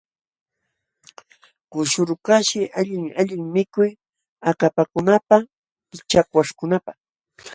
Kushurukaqshi alli allin mikuy akapakunapaq chakwaśhkunapaq.